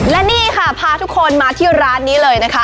และนี่ค่ะพาทุกคนมาที่ร้านนี้เลยนะคะ